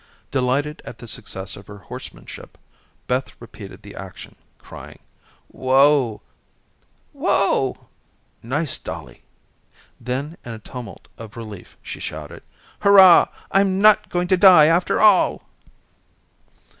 Delighted at the success of her horsemanship, Beth repeated the action, crying: "Whoa nice Dollie." Then in a tumult of relief she shouted: "Hurrah, I'm not going to die after all."